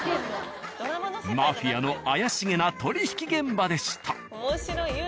マフィアの怪しげな取引現場でした。